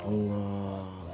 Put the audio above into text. allahu akbar allah